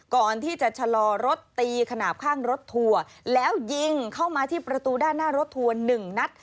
ก่อนที่จะชะลอรถตีขนาดข้างรถทัวร์แล้วยิงเข้ามาที่ประตูด้านหน้ารถทัวร์หนึ่งนัด